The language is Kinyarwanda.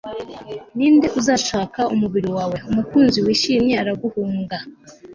Ninde uzashaka umubiri wawe Umukunzi wishimye araguhunga